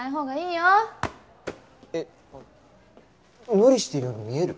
無理してるように見える？